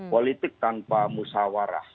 politik tanpa musawarah